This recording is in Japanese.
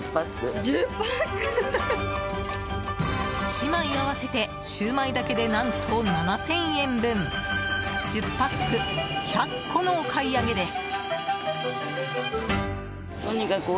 姉妹合わせてシューマイだけで何と７０００円分１０パック１００個のお買い上げです。